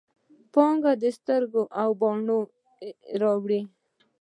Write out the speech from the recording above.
پاڼې د سترګو او باڼه یې اوري